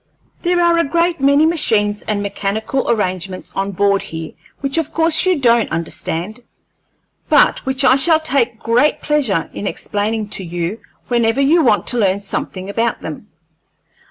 There are a great many machines and mechanical arrangements on board here which of course you don't understand, but which I shall take great pleasure in explaining to you whenever you want to learn something about them.